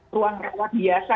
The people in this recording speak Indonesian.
ruang rewak biasa